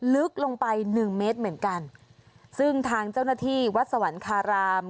ลึกลงไปหนึ่งเมตรเหมือนกันซึ่งทางเจ้าหน้าที่วัดสวรรคาราม